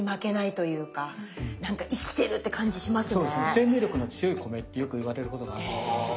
生命力の強い米ってよく言われることがあるので。